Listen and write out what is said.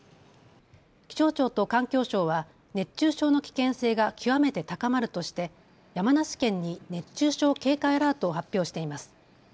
気象庁と環境省は熱中症の危険性が極めて高まるとして山梨県に熱中症警戒アラートを発表しています。